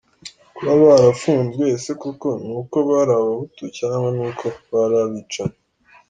kuba barafunzwe ese koko ni uko bari abahutu, cyangwa n’uko bari abicanyi !